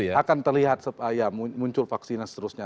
iya akan terlihat muncul vaksinnya seterusnya